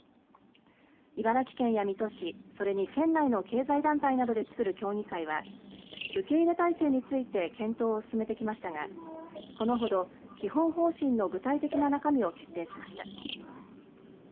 茨城県や水戸市、それに県内の経済団体などで作る協議会は受け入れ体制について検討を進めてきましたがこのほど基本方針の具体的な中身を決定しました。